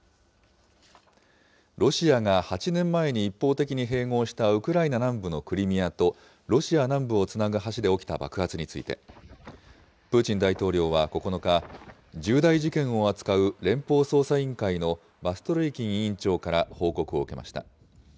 ロシアが８年前に一方的に併合したウクライナ南部のクリミアとロシア南部をつなぐ橋で起きた爆発について、プーチン大統領は９日、重大事件を扱う連邦捜査委員会のバストルイキン委員長から報告を受けました。